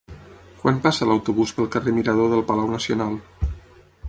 Quan passa l'autobús pel carrer Mirador del Palau Nacional?